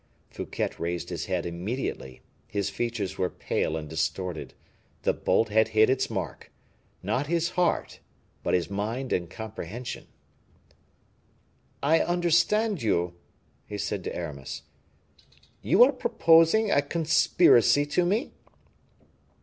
Fouquet raised his head immediately his features were pale and distorted. The bolt had hit its mark not his heart, but his mind and comprehension. "I understand you," he said to Aramis; "you are proposing a conspiracy to me?"